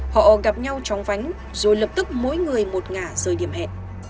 họ gặp nhau chóng vánh rồi lập tức mỗi người một ngả rời điểm hẹn